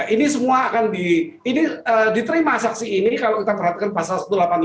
ini semua akan diterima saksi ini kalau kita perhatikan pasal satu ratus delapan puluh lima